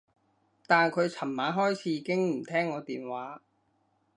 但佢噚晚開始已經唔聽我電話